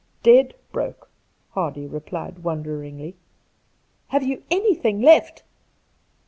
• Dead broke !' Hardy replied wonderingly. ' Have you anything left